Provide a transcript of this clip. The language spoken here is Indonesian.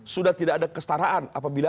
sudah tidak ada kestaraan apabila